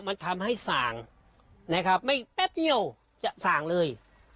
มันทำให้ส่างนะครับไม่แป๊บเดียวจะสั่งเลย